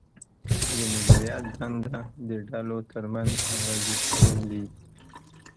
د مدیریت دنده د ډلو ترمنځ همغږي کول دي.